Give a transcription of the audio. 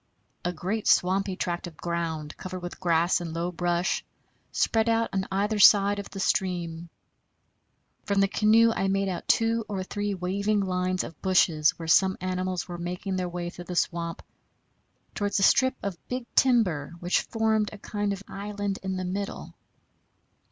A great swampy tract of ground, covered with grass and low brush, spread out on either side the stream. From the canoe I made out two or three waving lines of bushes where some animals were making their way through the swamp towards a strip of big timber which formed a kind of island in the middle.